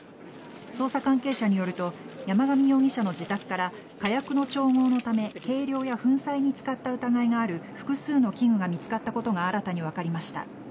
捜査関係者によると山上容疑者の自宅から火薬の調合のため計量や粉砕に使った疑いがある複数の器具が見つかったことが新たに分かりました。